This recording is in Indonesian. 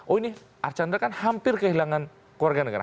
oh ini archandra kan hampir kehilangan keluarga negara